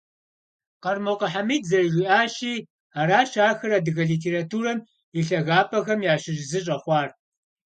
Къэрмокъуэ Хьэмид зэрыжиӀащи, аращ ахэр адыгэ литературэм и лъагапӀэхэм ящыщ зы щӀэхъуар.